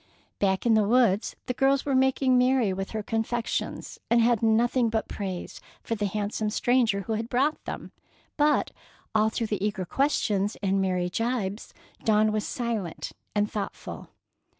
Back in the woods, the girls were making merry with her confections, and had nothing but praise for the handsome stranger who had brought them; but all through the eager questions and merry jibes Dawn was silent and thoughtful.